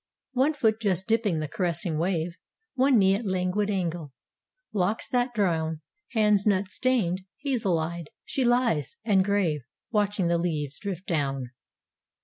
One foot just dipping the caressing wave, One knee at languid angle; locks that drown Hands nut stained; hazel eyed, she lies, and grave, Watching the leaves drift down.